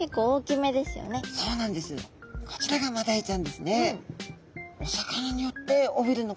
こちらがマダイちゃんですね。